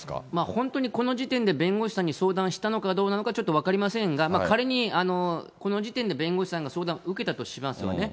本当にこの時点で弁護士さんに相談したのかどうなのか、ちょっと分かりませんが、仮にこの時点で弁護士さんが相談を受けたとしますよね。